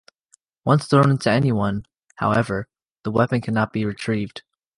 Once thrown into anyone, however, the weapon cannot be retrieved.